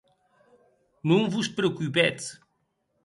Non vos preocupetz.